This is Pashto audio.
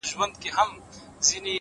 گراني چي د ټول كلي ملكه سې ـ